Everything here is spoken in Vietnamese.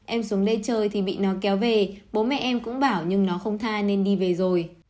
em xuống đây chơi thì bị nó kéo về bố mẹ em cũng bảo nhưng nó không tha nên đi về rồi